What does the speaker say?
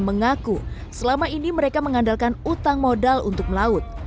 mengaku selama ini mereka mengandalkan utang modal untuk melaut